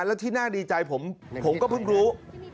แล้วกูดีใจผมก็เพิ่งรู้